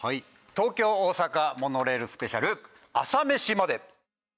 東京・大阪モノレールスペシャル『朝メシまで。』！